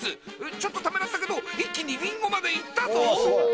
ちょっとためらったけど一気にリンゴまで行ったぞ！